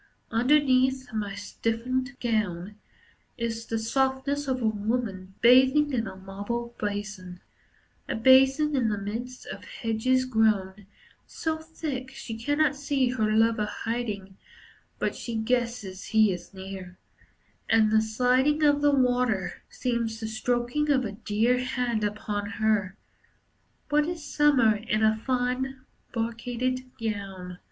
Underneath my stiffened gown Is the softness of a woman bathing in a marble basin, A basin in the midst of hedges grown So thick, she cannot see her lover hiding, But she guesses he is near, And the sliding of the water Seems the stroking of a dear Hand upon her. What is Summer in a fine brocaded gown!